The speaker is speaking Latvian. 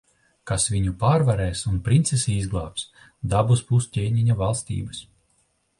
Kas viņu pārvarēs un princesi izglābs, dabūs pus ķēniņa valstības.